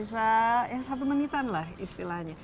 bisa ya satu menitan lah istilahnya